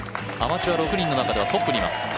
アマチュア６人の中ではトップにいます。